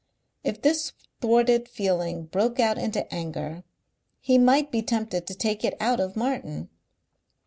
If this thwarted feeling broke out into anger he might be tempted to take it out of Martin.